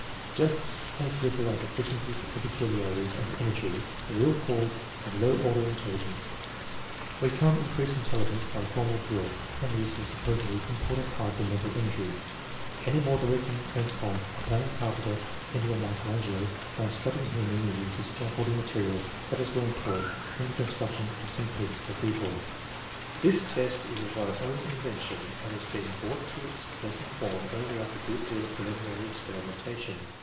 Just as little are deficiencies or peculiarities of imagery the real cause of low order in telligence. We cannot increase intelligence by formal drill hi the use of supposedly important kinds of mental imagery, any more than we can transform a plain carpenter into a Michael Angelo by instructing him in the use of scaffolding materials such as were employed in the con struction of St. Peter's Cathedral. This test is of our own invention and has been brought to its present form only after a good deal of preliminary ex perimentation.